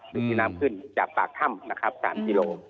จุดที่น้ำขึ้นจากปากถ้ำนะครับ๓กิโล